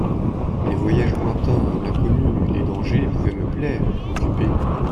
Les voyages lointains, l'inconnu, les dangers pouvaient me plaire, m'occuper.